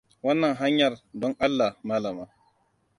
Wannan hanyar, don Allah, malama.